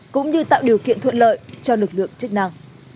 cũng như tạo điều kiện thuận lợi cho lực lượng chức năng